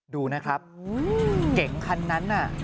ดูนะครับเก๋งคันนั้นน่ะ